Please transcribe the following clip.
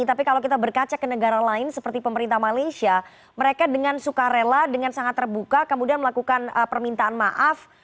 tapi kalau kita berkaca ke negara lain seperti pemerintah malaysia mereka dengan suka rela dengan sangat terbuka kemudian melakukan permintaan maaf